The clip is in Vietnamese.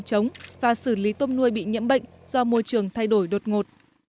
chống và xử lý tôm nuôi bị nhiễm bệnh do môi trường thay đổi đột ngột